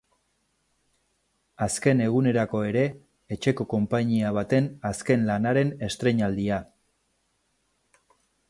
Azken egunerako ere, etxeko konpainia baten azken lanaren estreinaldia.